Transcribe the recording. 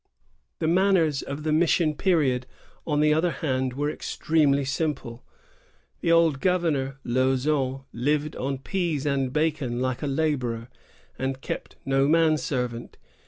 The manners of the mission period, on the other hand, were extremely simple. The old governor, Lauzon, lived on pease and bacon like a laborer, and kept no man servant.